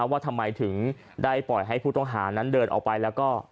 ว่าทำไมถึงได้ปล่อยให้ผู้ต้องหานั้นเดินออกไปแล้วก็